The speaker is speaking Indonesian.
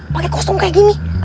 pake kostum kayak gini